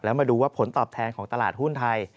แล้วมาดูว่าผลตอบแทนของตลาดหุ้นไทย